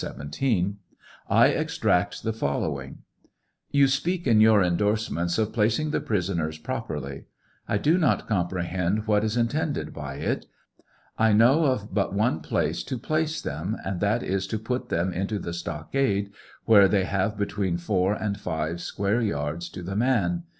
17,) I extract the following: You speak in your indorsement of placing the prisoners properly. I do not comprehend what is intended by it. I know of but one place to place them, and that is to put them into the stockade, where they have between four and five square yards to the man.